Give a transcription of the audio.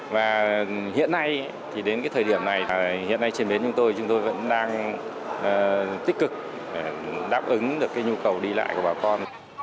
và hiện nay thì đến cái thời điểm này hiện nay trên bến chúng tôi chúng tôi vẫn đang tích cực đáp ứng được cái nhu cầu đi lại của bà con